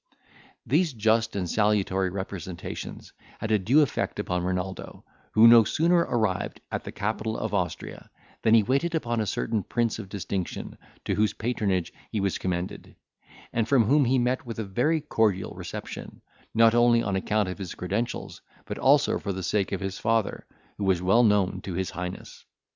These just and salutary representations had a due effect upon Renaldo, who no sooner arrived at the capital of Austria, than he waited upon a certain prince of distinction, to whose patronage he was commended; and from whom he met with a very cordial reception, not only on account of his credentials, but also for the sake of his father, who was well known to his highness.